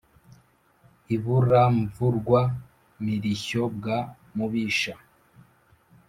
i buramvurwa-mirishyo bwa mubisha